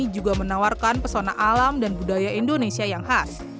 juga menawarkan pesona alam dan budaya indonesia yang khas